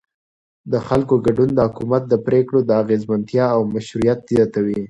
د خلکو ګډون د حکومت د پرېکړو د اغیزمنتیا او مشروعیت زیاتوي